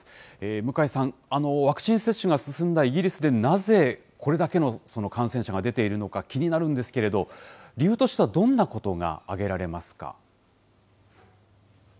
向井さん、ワクチン接種が進んだイギリスで、なぜこれだけの感染者が出ているのか気になるんですけれど、理由としてはどんなことが挙げられますか？